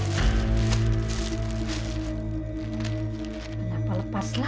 kamu janganthsy kwera klien